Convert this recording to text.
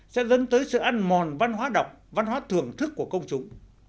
sẽ dẫn tới sự ăn mòn văn hóa đọc văn hóa thưởng thức của công chúng